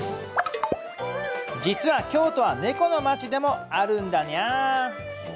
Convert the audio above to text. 実は京都は猫の町でもあるんだにゃあ。